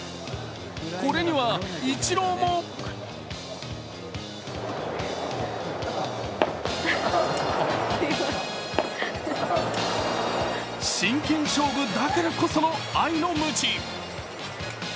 これにはイチローも真剣勝負だからこその愛のむち。